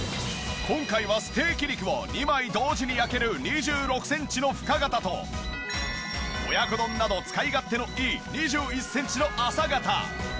今回はステーキ肉を２枚同時に焼ける２６センチの深型と親子丼など使い勝手のいい２１センチの浅型。